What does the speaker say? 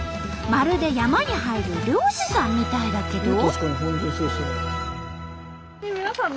まるで山に入る猟師さんみたいだけど。